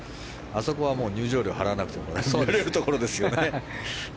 あそこは入場料を払わなくても見れるところですね。